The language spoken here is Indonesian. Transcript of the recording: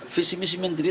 visi menteri itu